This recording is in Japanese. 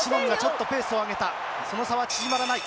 その差は縮まらない。